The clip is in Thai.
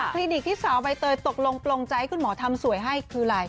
ลินิกที่สาวใบเตยตกลงปลงใจให้คุณหมอทำสวยให้คืออะไร